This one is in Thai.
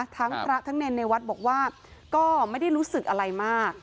ทั้งพระทั้งเนรในวัดบอกว่าก็ไม่ได้รู้สึกอะไรมาก